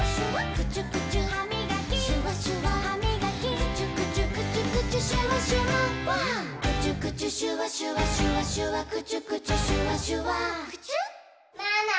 「クチュクチュハミガキシュワシュワハミガキ」「クチュクチュクチュクチュシュワシュワ」「クチュクチュシュワシュワシュワシュワクチュクチュ」「シュワシュワクチュ」ママ。